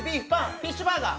フィッシュバーガー。